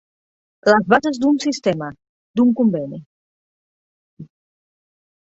Les bases d'un sistema, d'un conveni.